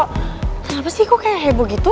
kenapa sih kok kayak heboh gitu